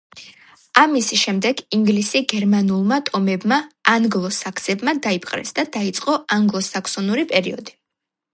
ამის შემდეგ ინგლისი გერმანულმა ტომებმა, ანგლო-საქსებმა დაიპყრეს და დაიწყო ანგლო-საქსონური პერიოდი.